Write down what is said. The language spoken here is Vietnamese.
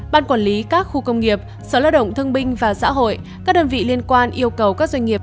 ban quản lý các khu công nghiệp sở lao động thương binh và xã hội các đơn vị liên quan yêu cầu các doanh nghiệp